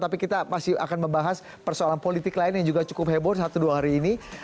tapi kita masih akan membahas persoalan politik lain yang juga cukup heboh satu dua hari ini